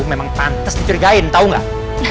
memang pantas dicurigain tau gak